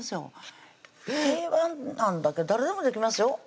定番なんだけど誰でもできますよ